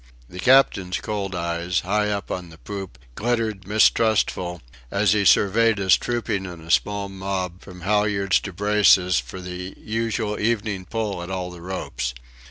The captain's cold eyes, high up on the poop, glittered mistrustful, as he surveyed us trooping in a small mob from halyards to braces for the usual evening pull at all the ropes.